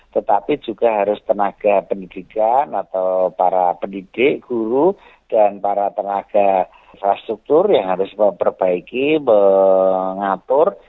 tetapi juga harus tenaga pendidikan atau para pendidik guru dan para tenaga infrastruktur yang harus memperbaiki mengatur